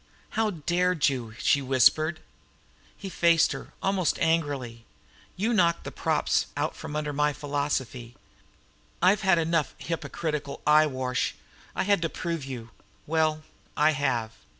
"How dared you!" she whispered. He faced her, almost angrily. "You knocked the props out from under my philosophy. I've had enough hypocritical eyewash. I had to prove you. Well, I have."